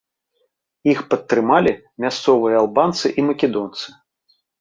Іх падтрымалі мясцовыя албанцы і македонцы.